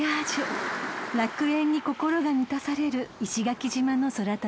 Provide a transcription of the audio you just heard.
［楽園に心が満たされる石垣島の空旅です］